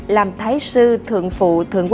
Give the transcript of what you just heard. làm thái sư thượng phụ